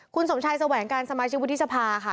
คุณสมชายแสวงการสมาชิกวุฒิสภาค่ะ